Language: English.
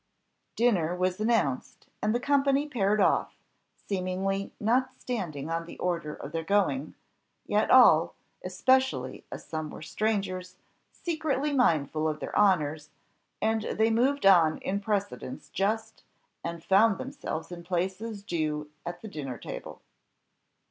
Dinner was announced, and the company paired off, seemingly not standing on the order of their going; yet all, especially as some were strangers, secretly mindful of their honours, and they moved on in precedence just, and found themselves in places due at the dinner table.